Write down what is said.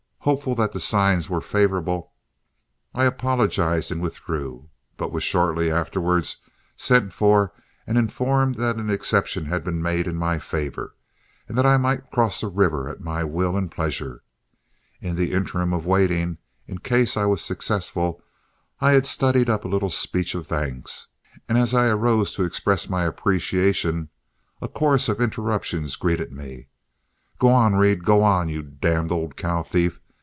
Hopeful that the signs were favorable, I apologized and withdrew, but was shortly afterwards sent for and informed that an exception had been made in my favor, and that I might cross the river at my will and pleasure. In the interim of waiting, in case I was successful, I had studied up a little speech of thanks, and as I arose to express my appreciation, a chorus of interruptions greeted me: "G' on, Reed! G' on, you d d old cow thief!